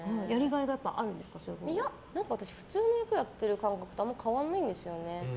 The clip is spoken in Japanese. いや、やっぱり私普通の役をやってる感覚とあんまり変わんないんですよね。